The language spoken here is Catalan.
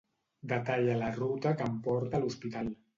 Detalla la ruta que em porta a l'hospital.